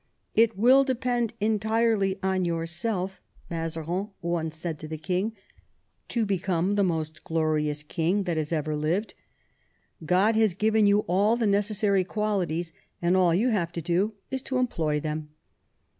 "It will depend entirely on yourself," Mazarin once said to IX MAZARIN'S DEATH, CHARACTER, AND WORK 177 the king, " to become the most glorious king that has ever lived. God has given you all the necessary qualities, and all you have to do is to employ them."